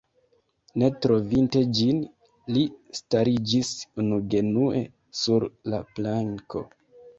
Ne trovinte ĝin, li stariĝis unugenue sur la planko.